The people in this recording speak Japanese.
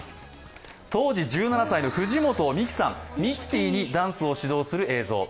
当時１７歳の藤本美貴さん、ミキティにダンスを指導する映像。